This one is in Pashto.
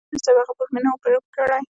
د مولوي صاحب هغه پور مې نه و پرې کړى.